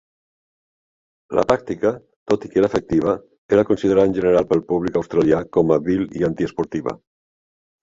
La tàctica, tot i que era efectiva, era considerada en general pel públic australià com a vil i antiesportiva.